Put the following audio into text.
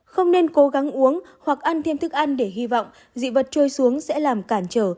không nên cố gắng uống hoặc ăn thêm thức ăn để hy vọng dị vật trôi xuống sẽ làm cản trở